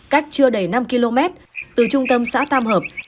cách chưa đầy năm km từ trung tâm xã tam hợp